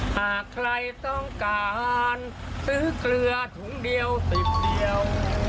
หากใครต้องการซื้อเกลือถุงเดียว๑๐เดียว